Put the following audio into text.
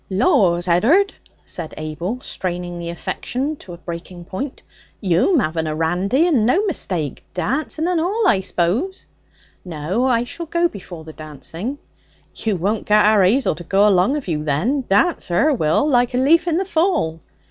'Laws, Ed'ard!' said Abel, straining the affection to breaking point, 'you'm having a randy, and no mistake! Dancing and all, I s'pose?' 'No. I shall go before the dancing.' 'You won't get our 'Azel to go along of you, then. Dance her will, like a leaf in the fall.'